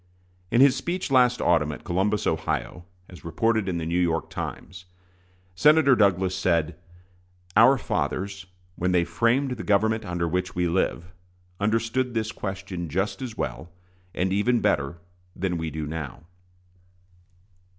In his speech last autumn at Columbus, Ohio, as reported in the New York Times, Senator Douglas said: "Our fathers, when they framed the government under which we live, understood this question just as well, and even better, than we do now."